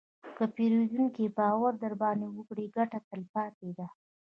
که پیرودونکی باور درباندې وکړي، ګټه تلپاتې ده.